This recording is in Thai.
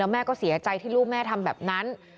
แม่ก็เสียใจที่ลูกแม่ทำแบบนั้น